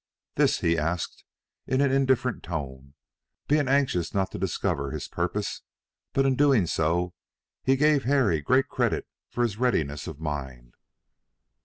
This he asked in an indifferent tone, being anxious not to discover his purpose, but in doing so he gave Harry great credit for his readiness of mind.